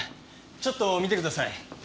ちょっと見てください。